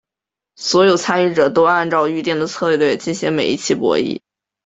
所有参与者都按照预定的策略进行每一期博弈。